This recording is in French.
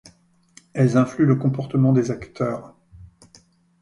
Elles influent le comportement des acteurs.